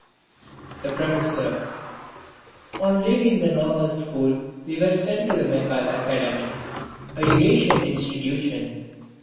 (12) The Professor On leaving the Normal School we were sent to the Bengal Academy, a Eurasian institution.